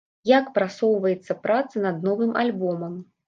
Як прасоўваецца праца над новым альбомам?